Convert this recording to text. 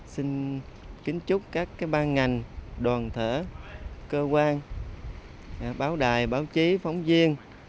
xin kính chúc các ban ngành đoàn thể cơ quan báo đài báo chí phóng viên